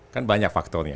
kan banyak faktornya